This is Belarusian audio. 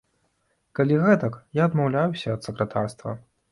Калі гэтак, я адмаўляюся ад сакратарства.